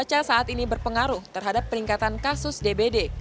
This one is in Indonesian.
cuaca saat ini berpengaruh terhadap peningkatan kasus dbd